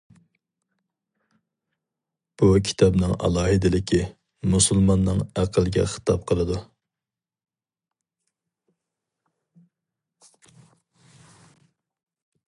بۇ كىتابنىڭ ئالاھىدىلىكى: مۇسۇلماننىڭ ئەقلىگە خىتاب قىلىدۇ.